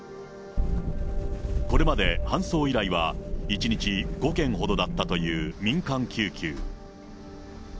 これまで搬送依頼は１日５件ほどだったという民間救急。